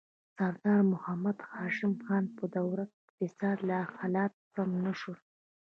د سردار محمد هاشم خان په دوره کې اقتصادي حالات سم نه شول.